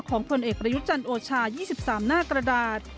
ผลเอกประยุจันทร์โอชา๒๓หน้ากระดาษ